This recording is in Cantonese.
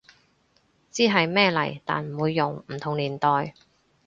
知係咩嚟但唔會用，唔同年代